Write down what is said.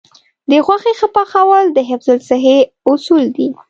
د غوښې ښه پخول د حفظ الصحې اصول دي.